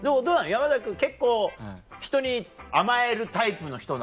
山君結構人に甘えるタイプの人なの？